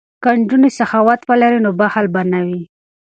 که نجونې سخاوت ولري نو بخل به نه وي.